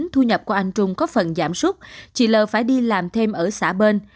bố mẹ của anh trung có phần giảm sút chị lê phải đi làm thêm ở xã bên